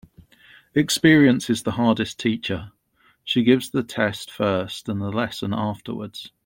Experience is the hardest teacher. She gives the test first and the lesson afterwards.